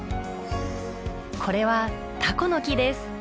これはタコノキです。